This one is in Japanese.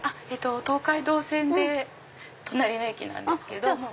東海道線で隣の駅なんですけど。